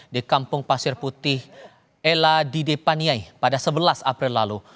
di kampung pasir putih ella di depaniai pada sebelas april lalu